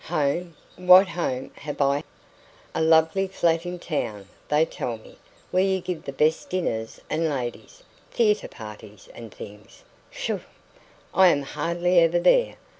"Home! What home have I?" "A lovely flat in town, they tell me, where you give the best dinners, and ladies' theatre parties and things " "Pshaw! I am hardly ever there.